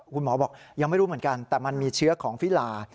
คุณหมอบอกยังไม่รู้เหมือนกันแต่มันมีเชื้อของฟิลา